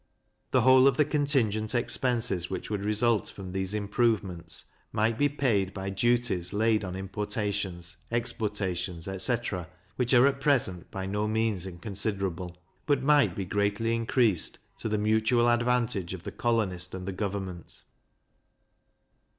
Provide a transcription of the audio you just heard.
The whole of the contingent expenses which would result from these improvements, might be paid by duties laid on importations, exportations, etc. which are at present by no means inconsiderable, but might be greatly increased, to the mutual advantage of the colonist and the government.